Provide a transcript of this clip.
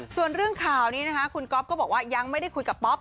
ส่วนเรื่องข่าวนี้นะคะคุณก๊อฟก็บอกว่ายังไม่ได้คุยกับป๊อป